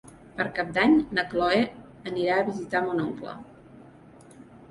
Per Cap d'Any na Chloé anirà a visitar mon oncle.